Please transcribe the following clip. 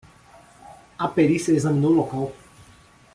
A perícia examinou o local.